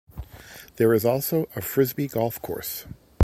There is also a Frisbee golf course.